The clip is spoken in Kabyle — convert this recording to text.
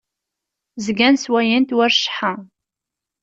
Zgan sswayen-t war cceḥḥa.